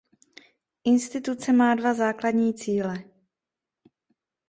Instituce má dva základní cíle.